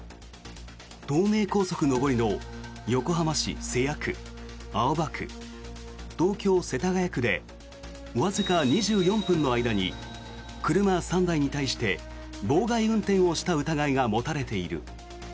東名高速上りの横浜市瀬谷区、青葉区東京・世田谷区でわずか２４分の間に車３台に対して妨害運転をした疑いが持たれています。